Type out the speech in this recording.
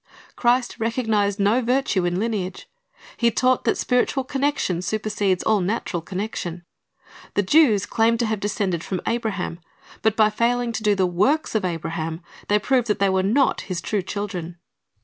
"'' Christ recognized no virtue in lineage. He taught that spiritual connection supersedes all natural connection. The Jews claimed to have descended from Abraham; but by failing to do the works of Abraham, they proved that they were not his true children.